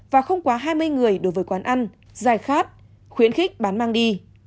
và không quá hai mươi người đối với quán ăn giải khát khuyến khích bán mang đi